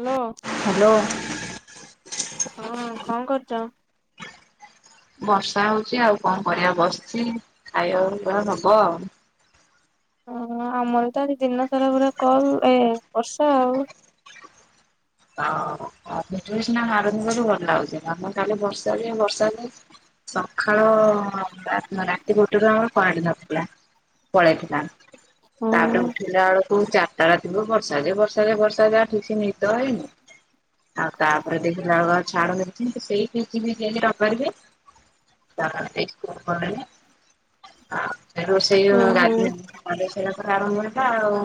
Hello, hello. ହଁ କଣ କରୁଚ? ବର୍ଷା ହଉଛି ଆଉ କଣ କରିବା ବସିଛି, ଖାଇବା [unintelligible] ହବ। ଓହୋ ଆମର ତ ଏଠି ଦିନ ସାରା ପୁରା କଲ ଏ ବର୍ଷା ଆଉ। ଆ, ହଁ ଅ, ବିଜୁଳି ସିନା ମାରୁନି [unintelligible] ଭଲ ହଉଛି। ଆମକୁ ଖାଲି ବର୍ଷା ବି ବର୍ଷା ବି ସଖାଳ ରା ରାତି ଗୋଟେରୁ ଆମର ପାଣି ନଥିଲା। ତଳେ ଥିଲା। ତାପରେ ଉଠିଲା ବେଳକୁ ଚାଟ ଟା ରାତିରୁ ବର୍ଷା ଯେ ବର୍ଷା ଯେ ବର୍ଷା ଯା ଠିକ ସେ ନିଦ ହେଇନି। ଆଉ ତାପରେ ଦେଖିଲାବେଳ ଛାଡୁନି ଠିକ ସେଇ [unintelligible] [inaudible] ଆ, ରୋଷେଇ ହୁଁ ହୁଁ। ଗାଧେଇ ଗାଧେଇ ସାଇଲା ପରେ ଆରମ୍ଭ ହେଇଥିଲା ଆଉ।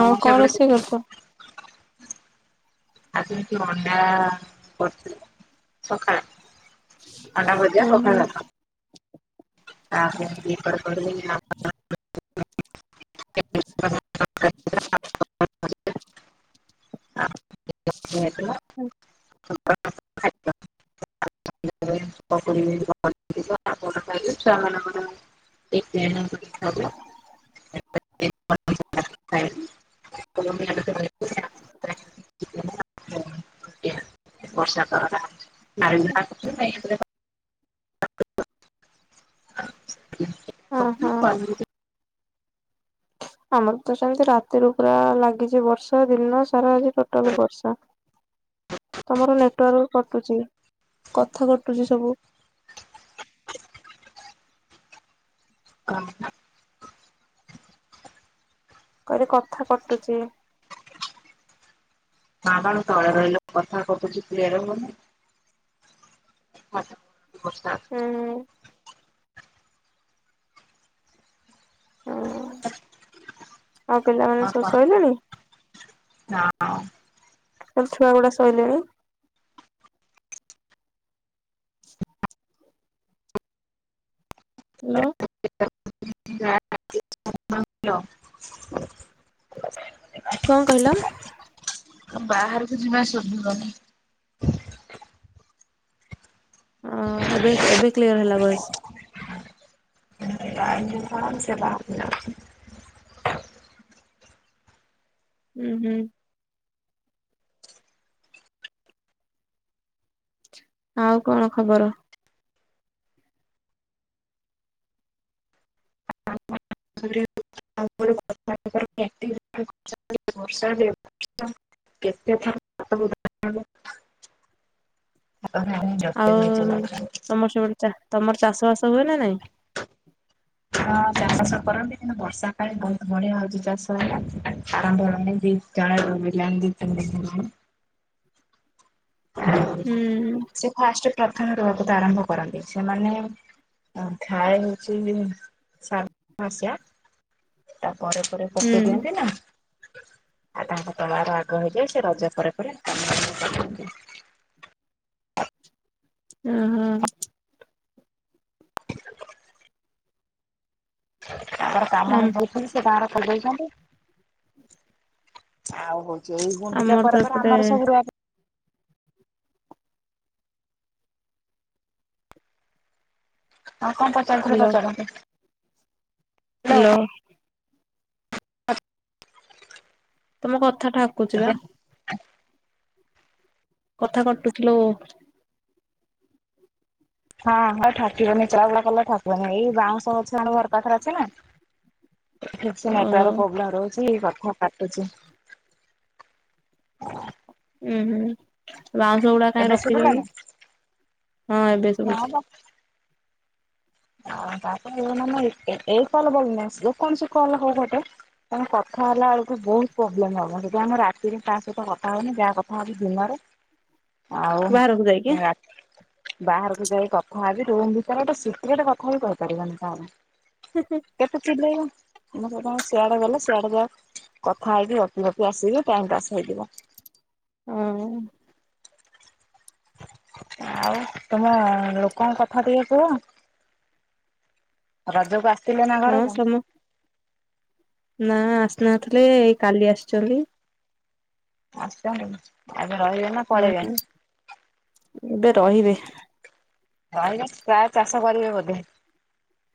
ଆଉ କଣ ସେପଟେ ରୋଷେଇ କରିଛ? ଆଜି ଏମତି ଅଣ୍ଡା କରଥିଲି ସଖାଳେ। ଅଣ୍ଡା ଉଁ ଭଜା ହୁଁ। ପଖାଳ ଭାତ। [inaudible] [inaudible] ହେଇଥିଲା [inaudible] [inaudible] ଛୁଆମାନଙ୍କର [unintelligible] [inaudible] [inaudible] [inaudible] ବର୍ଷା [inaudible] ଅ ହଁ। [inaudible] ଆମର ତ ସେମତି ରାତିରୁ ପୁରା ଲାଗିଚି ବର୍ଷା ଦିନ ସାରା ଆଜି ଟୋଟାଲ ବର୍ଷା, ତୋମର ନେଟୱାର୍ କଟୁଚି, କଥା କଟୁଚି ସବୁ। [inaudible] କହିଲି କଥା କଟୁଚି। ସାଁବାଳୁ ତଳେ ରହିଲେ କଥା କଟୁଛି କ୍ଲିୟର ହଉନି। [unintelligible] ବର୍ଷା ଅଁ, ହଁ। [inaudible] ଆଉ ପିଲାମାନେ ସବୁ ଶୋଇଲେଣି? ଆମ ଛୁଆ ଗୁଡା ଶୋଇଲେଣି। ହ୍ୟାଲୋ [inaudible] କଣ କହିଲ? ଅ, ବାହାରକୁ ଯିବା ଶୁଭିବନି। ଅଁ, ଏବେ ଏବେ କ୍ଲିୟର୍ ହେଲା ଭଏସ୍। [inaudible] ବାହାର କୁ କଣ ସେ [unintelligible] ଉଁ, ହୁଁ। ଆଉ କଣ ଖବର? [inaudible] [inaudible] ବର୍ଷା [inaudible] କେତେ ଥର [inaudible] [unintelligible] ଚା-ତୋମର ଚାଷ ବାସ ହୁଏ ନା ନାଇଁ? ହଁ ଚାଷ ବାସ କରନ୍ତି। କିନ୍ତୁ ବର୍ଷା କାଳେ ବହୁତ ବଢିଆ ହଉଚି ଚାଷ ହେଲେ। ଆରମ୍ଭ ହେଲାଣି ଦି [unintelligible] ଦି ତିନ ଦିନ ହେଲାଣି। ହୁଁ [unintelligible] ସେ ଫାଷ୍ଟ ପ୍ରଥମ ରୁଆ ପୁତା ଆରମ୍ଭ କରନ୍ତି। ସେମାନେ ଅ, ଥାଏ କିଛି ଦିନ ସା ମସିଆ ତା ପରେ ପରେ ପକେଇ ହୁଁ। ଦିଅନ୍ତି ନା। ଆଉ ତାଙ୍କ ତଳାର ଆଗ ହେଇଯାଏ ସେ ରଜ ପରେ ପରେ [inaudible] କରନ୍ତି। ଅଁ, ହଁ। ଆମର କାମ ଆମ ବହୁ [unintelligible] ସେ ଗାଁର [unintelligible] ଛନ୍ତି ଆଉ ହ ଚି ଏଇ ଗୁଣ୍ଡିଚା ଆମର ତ ପରେ ପରେ ଏପଟେ ଆମର ସବୁ ରୁଆ ଆଉ କଣ ପଚାରୁଥିଲ ହାଲୋ ପଚାରନ୍ତୁ? ହାଲୋ। ତମେ କଥା ଠାକୁଛି ବା। କଥା କଟୁଥୁଲୁ। ହଁ ହଁ ଠକିବନି ଚଲା ବୁଲା କଲେ ଠକିବନି ଏଇ ବାଉଁଶ ଗଛ ଆମ ଘର ପାଖରେ ଅଛି ନା। ଠିକ ସେ ଓହୋ। ନେଟୱାର୍କ ପ୍ରୋବ୍ଲେମ ରହୁଛି କଥା କାଟୁଚି। ଉଁ ହୁଁ ବାଉଁଶ ଗୁଡା କାହିଁ ଏବେ ରଖିଛ ଶୁଭିଲା କି? ନା? ହଁ ଏବେ ଶୁଭୁଚି। ବା ହଁ ତାପରେ [unintelligible] ଏ-ଏଇ କଲ ପରେ ନୁହେଁ ଯେ କୌଣସି କଲ ହଉ ଗୋଟେ। କାରଣ କଥା ହେଲା ବେଳକୁ ବହୁତ ପ୍ରୋବ୍ଲେମ ହବ ସେଇଥି ପାଇଁ ମୁଁ ରାତିରେ କାହା ସହିତ କଥା ହଉନି ଯାହା କଥା ହଉଚି ଦିନରେ। ଆଉ ବାହାରକୁ ଯାଇକି ରା ବାହାରକୁ ଯାଇ କଥା ହେବି ରୁମ ଭିତରେ ବସି। ଏତିକି ଗୋଟେ କଥା ବି କହିପାରିବନି କାହାକୁ। ହେଁ ହେଁ। କେତେ ଚିଲେଇମି? ମୁଁ ସେଇଥି ପାଇଁ ସିଆଡେ ଗଲେ ସିଆଡେ ଯା। କଥା ହେଇକି ଗପି ଗପି ଆସିବି ଟାଇମ ପାସ୍ ହେଇଯିବ। ଆଉ। ଆଉ ତମ ଲୋକଙ୍କ କଥା ଟିକେ କୁହ। ରଜକୁ ଆସିଥିଲ ନା ହଁ ଘରକୁ? ସମ ନା ଆସିନଥିଲେ ଏଇ କାଲି ଆସିଛନ୍ତି। ଆସିଚନ୍ତି। ଆଜି ରହିବେ ନା? ପଳେଇବେ? ହୁଁ ଏବେ ରହିବେ? ରହିବେ ପ୍ରାୟ ଚାଷ କରିବେ ବୋଧେ।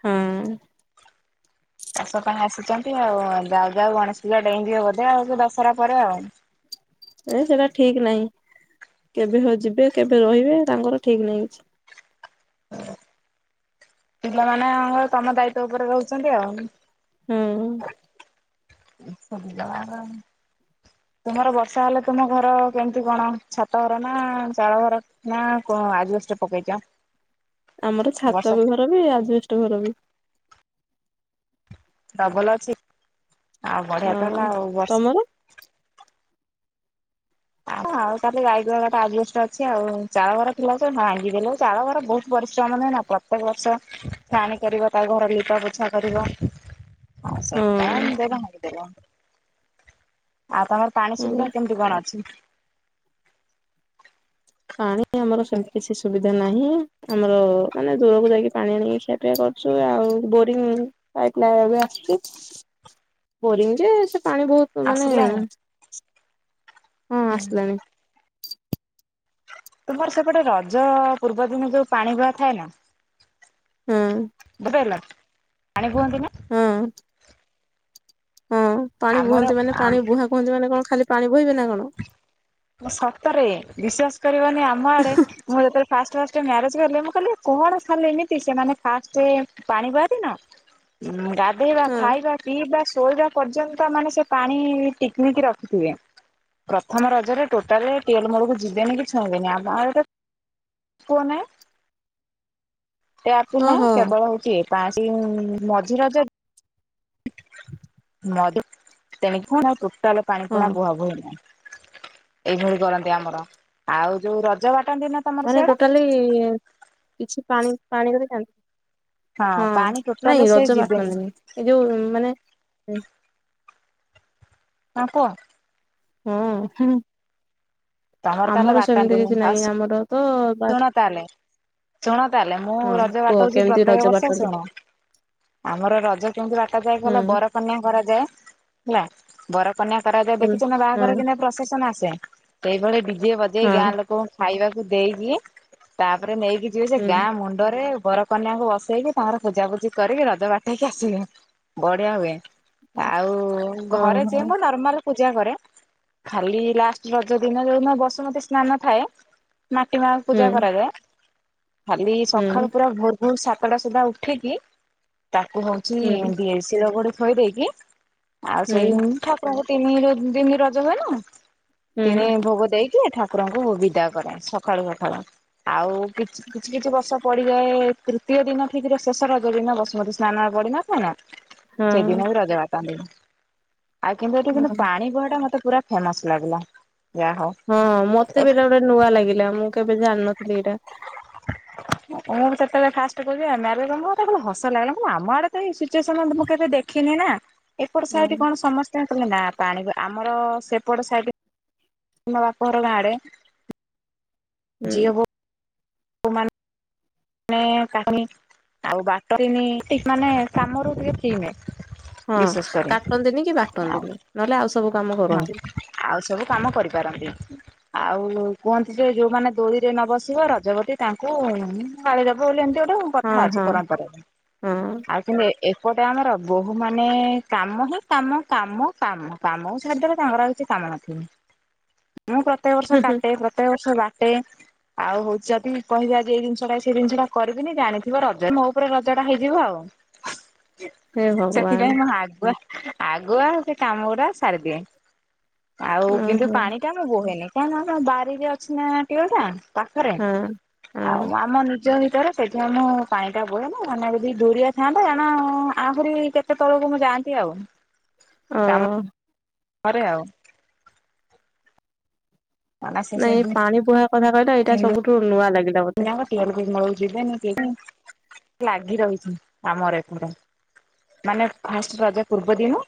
ହୁଁ। ଚାଷ ପାଇଁ ଆସିଛନ୍ତି ଆଉ ଯାଉ ଯାଉ ଗଣେଶ ପୂଜା ଡେଇଁଯିବ ବୋଧେ ଆଉ ସେ ଦଶହରା ପରେ ଆଉ। ଏ ସେଟା ଠିକ ନାହିଁ କେବେ ଯିବେ କେବେ ରହିବେ ତାଙ୍କର ଠିକ ନାହିଁ। ହଁ। ପିଲାମାନେ ଆଙ୍କ ତମ ଦାୟିତ୍ଵ ଉପରେ ରହୁଛନ୍ତି ଆଉ। ହୁଁ। ଏ ସବୁ ବିଲ୍ ବାଡର। ତୁମର ବର୍ଷା ହେଲେ ତୁମ ଘର କେମିତି କଣ ଛାତ ଘର ନା ଚାଳ ଘର? ନା କ ଆଜବେଷ୍ଟ ପକେଇଛ? ଆମର ଛାତ ବର୍ଷା ବି ଘର ବି ଆଜବେଷ୍ଟ ଘର ବି। ଡବଲ ଅଛି ଆଉ ବଢିଆ ତ ହଁ। ହେଲା। ଆଉ ବର୍ଷ ତମର ଆ ଆଉ ଖାଲି ଗାଇ ଗୁହାଳଟା ଆଜବେଷ୍ଟ ଅଛି ଆଉ ଚାଳ ଘର ଥିଲା ତ ଭାଙ୍ଗି ଦେଲେ ଚାଳ ଘର ବହୁତ ପରିଶ୍ରମ ନୁହେ ନା। ପ୍ରତ୍ୟେକ ବର୍ଷ ଫ୍ୟାନ କରିବ ତା ଘର ଲିପା ପୋଛା କରିବ। ହଁ ସେଟା [unintelligible] ହଁ ଭାଙ୍ଗିଦେଲ। ଆଉ ତମର ପାଣି ହଁ ସୁବିଧା କେମିତି କଣ ଅଛି? ପାଣି ଆମର ସେମିତି କିଛି ସୁବି ଧା ନାହିଁ ଆମର ମାନେ ଦୂରକୁ ଯାଇକି ପାଣି ଆଣିକି ଖିଆ ପିଆ କରୁଛୁ ଆଉ ବୋରିଂ। ଲାଇଟ ନା ଏବେ ଆସୁଛି ବୋରିଂ ଯେ ସେ ପାଣି ବହୁତ ମାନେ ଆସିଲାଣି ହଁ ହୁଁ ଆସିଲାଣି। ତୁମର ସେପଟେ ରଜ ପୂର୍ବ ଦିନ ଯୋଉ ପାଣି ବୁହା ଥାଏ ନା? ହଁ ବୁଝି ହେଲା ପାଣି ବୁହନ୍ତି ନା। ହଁ। ହଁ ପାଣି ଆମର ବୁହନ୍ତି ମାନେ ଆମ ପାଣି ବୁହା କହନ୍ତି ମାନେ କଣ ଖାଲି ପାଣି ବୋହିବେ ନା କଣ? ସତରେ ବିଶ୍ୱାସ କରିବନି ଆମ ଆଡେ ମୁଁ ଯେତେବେଳେ ଫାଷ୍ଟ ଫାଷ୍ଟ ମ୍ୟାରେଜ କଲି। ମୁଁ କହିଲି କଣ ଖାଲି ଏମିତି ସେମାନେ ଫାଷ୍ଟ ପାଣି ବୁହା ଦିନ ଉଁ ଗାଧୋଇବା ହଁ ଖାଇବା ପିଇ ବା ଶୋଇବା ପର୍ଯ୍ୟନ୍ତ ମାନେ ସେ ପାଣି ଟିକିମିକି ରଖିଥିବେ। ପ୍ରଥମ ରଜରେ ଟୋଟାଲ ଟିଅଲ ମୂଳକୁ ଯିବେନି କି ଛୁଇଁବେନି। ଆମ ଆଡେ କୁଅ ନାଇ। ଟିଆପ ନାହିଁ। ଓହୋ କେବଳ ହଉଛି ଇଏ ପା ସେ ମଝି ରଜ ମ ତେଣିକି କଣ ଆଉ ଟୋଟାଲ ପାଣି ହଁ ପୁଣା ବୁହାବୁହି ନାହିଁ। ଏଇଭଳି କରନ୍ତି ଆମର। ଆଉ ଯୋଉ ରଜ ବାଟାନ୍ତି ନା। ତମର ମାନେ ସିଆଡେ ଟୋଟାଲି କିଛି ପାଣି ପାଣି କରିଖାନ୍ତି। ହଁ ପାଣି ଟୋଟାଲ ନାଇଁ ସେ ରଜ ଯିବେନି ବାଟାନ୍ତିନି। ଏ ଯୋଉ ମାନେ ହଁ କୁହ। ହଁ ହୁଁ ତମର ତାହେଲେ ଆମର ସେମିତି ବାଟାନ୍ତିନି କିଛି ଆଉ ନାହିଁ ଆମର ତ ବା ଶୁଣ ତାହେଲେ ଶୁଣ ତାହେଲେ ମୁଁ ହଁ ରଜ କୁହ ବାଟଉଛି କେମିତି ପ୍ରତ୍ୟେକ ରଜ ବର୍ଷ ବାଟନ୍ତି ଶୁଣ। ଆମର ରଜ କେମିତି ବାଟା ଯାଏ ହୁଁ କଲ ବରକନ୍ୟା କରାଯାଏ। ହେଲା ବରକନ୍ୟା କରାଯାଏ ହୁଁ ଦେଖିଛନା ବାହାଘର ହଁ କିମିତିଆ ପ୍ରଶେସନ ଆସେ, ସେଇଭଳି ଡିଜେ ଯେ ଗାଁ ହଁ ଲୋକଙ୍କୁ ଖାଇବାକୁ ଦେଇଦିଏ ତାପରେ ନେଇକି ଯିବ ସେ ଗାଁ ହୁଁ ମୁଣ୍ଡରେ ବର କନ୍ୟାକୁ ବସେଇକି ତାଙ୍କର ପୂଜା ପୁଜି କରିକି ରଜ ବାଟେଇକି ଆସିବେ। ବଢିଆ ହୁଏ। ଆଉ ହଁ ଘରେ ଯିଏ ହଁ ମ ନର୍ମାଲ ପୂଜା କରେ ଖାଲି ଲାଷ୍ଟ ରଜ ଦିନ ଯୋଉଦିନ ବସୁମତୀ ସ୍ନାନ ଥାଏ ମାଟି ମାଙ୍କୁ ହୁଁ ପୂଜା କରାଯାଏ ଖାଲି ହୁଁ ସକାଳୁ ପୁରା ଭୋର ଭୂର ସାତଟା ସୁଦ୍ଧା ଉଠିକି ତାକୁ ହଉଛି ହୁଁ ଦିଏ ଶିଳ ଘଡୁ ଥୋଇ ଦେଇକି ଆଉ ସେଇ ହୁଁ ଠାକୁରଙ୍କୁ ତିନି ଦିନି ରଜ ହୁଏ ନା ହୁଁ ତିନି ଭୋଗ ଦେଇକି ଠାକୁ କୁରଙ୍କୁ ବିଦା କରେ ସକାଳୁ ସକାଳୁ ଆଉ କିଛି କିଛି କିଛି ବର୍ଷ ପଡିଯାଏ ତୃତୀୟ ଦିନ ଠିକ ର ଶେଷ ରଜ ଦିନ ବସୁମତୀ ସ୍ନାନ ପଡେନା? ହେନା ହଁ ସେଇଦିନ ବି ରଜ ବାଟିନ୍ତି ଆଉ କିନ୍ତୁ ଏଠି କିନ୍ତୁ ପାଣି ବୁହାଟା ମତେ ପୁରା ଫେମସ ଲାଗିଲା ଯା ହଉ। ହଁ ମତେ ବି ଏଇଟା ଗୋଟେ ନୂଆ ଲାଗିଲା ମୁଁ କେବେ ଜାଣିନଥିଲି ଏଇଟା। ମୁଁ ବି ସେତେବେଳେ ଫାଷ୍ଟ କହୁଛିି ଆମ ଆରେ କଣ ମତେ ହସ ଲାଗିଲା କଣ ଆମ ଆଡେ ଏଇ ସିଚୁଏସନ୍ ମୁଁ କେବେ ଦେଖି ଖିନି ନା ଏପଟେ ହଁ ସାଇଟ କଣ ସମସ୍ତେ କହିଲେ ନା ପାଣି ଆମର ସେପଟ ସାଇଟ ମୋ ବାପ ଘର ଗାଁ ଆଡେ ହୁଁ ଝିଅ ବୋ ନେ କନି ଆଉ ବାଟନ୍ତିନି ମାନେ କାମରୁ ଟିକେ ଫ୍ରି ନାଇଁ ହଁ କାଟନ୍ତିନି କି ଆଉ ବାଟନ୍ତିନି ନହେଲେ ଆଉ ସବୁ କାମ ହଁ କରନ୍ତି। ଆଉ ସବୁ କାମ କରିପାରନ୍ତି। ଆଉ କୁହନ୍ତି ଯେ ଯୋଉମାନେ ଦଳିରେ ନ ବସିବ ରଜବତୀ ତାଙ୍କୁ ଗାଳିଦବ ବୋଲି ଏମିତି ଗୋଟେ ଆଉ କଥା ହଁ ଅଛି ହଁ ପରମ୍ପରାରେ ହଁ ଆଉ କିନ୍ତୁ ଏପଟେ ଆମର ବୋହୂ ମାନେ କାମ ହିଁ କାମ କାମ କାମ କାମ ଛାଡ଼ିଦେଲେ ତାଙ୍କର ଆଉ କିଛି କାମ ନଥିବ। ମୁଁ ପ୍ରତ୍ୟେକ ବର୍ଷ କାଟେ, ପ୍ରତ୍ୟେକ ବର୍ଷ ବାଟେ ଆଉ ହଉ ଯଦି କହିବି ଆଜି ଏ ଜିନିଷ ଟା ସେଇ ଜିନିଷ ଟା କରିବିନି ଜାଣିଥିବ ରଜ ମୋ ଉପରେ ରଜ ଟା ହେଇଯିବ ଆଉ। ହୁଁ ସେଥିପାଇଁ ମୁଁ ଆଗୁଆ ଆଗୁଆଉ ସେ କାମ ଗୁଡା ସାରିଦିଏ। ଆଉ କିନ୍ତୁ ଓହୋ ପାଣି ଟା ମୁଁ ବୋହେନି କାହିଁ ନା ଆମ ବାରିରେ ଅଛି ନା ଟେଉଲ୍ ଟା। ପାଖରେ ହଁ ଆଉ ହଁ ଆମ ନି ନିଜ ଭିତରେ ସେଥି ପାଇଁ ମୁଁ ପାଣିଟା ଵୋହେ ନି ମାନେ ଯଦି ଦୂରିଆ ଥାଆନ୍ତା କାରଣ ଆହୁରି କେ କେତେ ତଳକୁ ମୁଁ ଯାଆନ୍ତି ଆଉ। ଅଁ। ହରେ ଆଉ। ନା ସେ ସେ ନାଇଁ ଦୁଇ ପାଣି ବୁହା କଥା କହିଲା ଏଇଟା ସବୁଠୁ ନୂଆ ଲାଗିଲା। [unintelligible] ମତେ କିନାକଟିଆକୁଳକୁ ଯିବେନି କି ଲାଗି ରହିଛି ଆମର ଏପଟ ମାନେ ଫାଷ୍ଟ ରଜ ପୂର୍ବ ଦିନ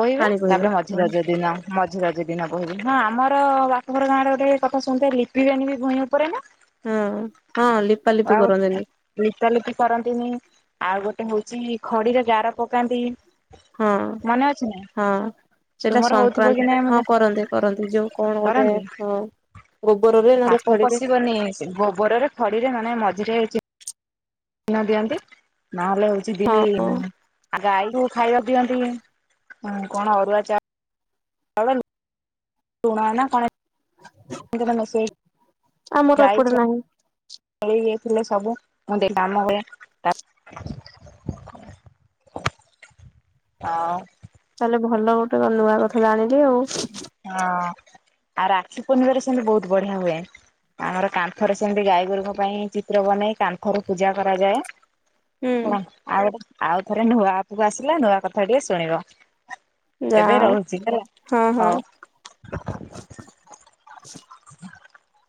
ବୋହି ବେ ପାଣି ବୋହିବେ। ତାପରେ ମଝି ହଁ ରଜ ଦିନ। ମଝି ରଜ ଦିନ ବହିିବ ହଁ ଆମର ବାପଘର ଗାଁରେ ଗୋଟେ କଥା ଶୁଣିତେ ଲିପିବେନି ଭୂଇଁ ଉପରେ ନା? ହୁଁ ହଁ ଲି ଆଉ ଲିପାଲିପି କରନ୍ତିନି ଆଉ ଗୋଟେ ହଉଚି ଖଡିରେ ଗାର ପକାନ୍ତି। ହଁ। ମନେ ଅଛି ନା? ହଁ ସେଇଟା ତୁମର ହଉଥିବ କି ସଂକ୍ରାନ୍ତି ନାଇଁ ହଁ ମାନେ କରନ୍ତି କରନ୍ତି ଯୋଉ କଣ ଗୋଟେ କରନ୍ତି ହଁ ଗୋବରରେ ନହେଲେ ସାପ ଖଡିରେ। ପଶିବନି ଗୋବରରେ ଖଡି ରେ ମାନେ ମଝିରେ [unintelligible] ନ ଦିଅନ୍ତି ନହେଲେ ହଉଛି ଦିଲି ହଁ ଗାଈକୁ ଖାଇବାକୁ ଦିଅନ୍ତି କଣ ଅରୁଆ ଚା ଚାଉଳ ଲ ଲୁଣ ନା କଣ ମେସେଜ ଆମର ଏପଟେ ଯାଇଛ। ନାହିଁ ଇଏଥିଲେ ସବୁ ମୁଁ କାମ ହୁଏ। ହଁ। ତାହେଲେ ଭଲ ଗୋଟେ ନୂଆ କଥା ଜାଣିଲି ଆଉ। ହଁ ଆଉ ରାକ୍ଷୀ ପୂର୍ଣ୍ଣିମାାରେ ସେମିତି ବହୁତ ବଢିଆ ହୁଏ। ଆମର କାନ୍ଥରେ ସେମିତି ଗାଈଗୋରୁଙ୍କ ପାଇଁ ଚିତ୍ର ବନେଇ କାନ୍ଥରୁ ପୂଜା କରାଯାଏ। ହୁଁ ହଁ ଆଉ ଆଉ ଥରେ ନୂଆ ଆପକୁ ଆସିଲା ନୂଆ କଥା ଟିକେ ଶୁଣିବ। ଏବେ ରହୁଛି ହେଲା? ହୁଁ ହୁଁ। ହଉ। [inaudible]